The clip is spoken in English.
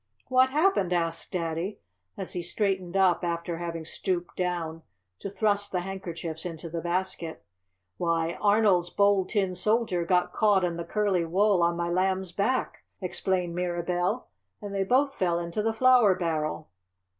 "What happened?" asked Daddy, as he straightened up after having stooped down to thrust the handkerchiefs into the basket. "Why, Arnold's Bold Tin Soldier got caught in the curly wool on my Lamb's back," explained Mirabell, "and they both fell into the flour barrel!"